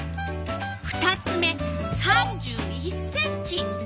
２つ目３１ｃｍ。